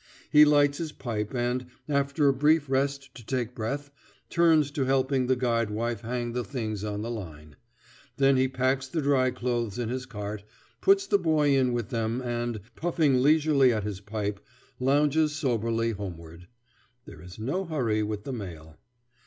He lights his pipe and, after a brief rest to take breath, turns to helping the gude wife hang the things on the line. Then he packs the dry clothes in his cart, puts the boy in with them and, puffing leisurely at his pipe, lounges soberly homeward. There is no hurry with the mail.